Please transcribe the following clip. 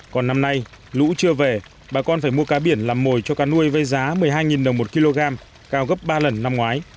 còn năm nay lũ chưa về bà con phải mua cá biển làm mồi cho cá nuôi với giá một mươi hai đồng một kg cao gấp ba lần năm ngoái